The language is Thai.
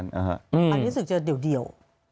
อันนี้สุจริงเจอเดียว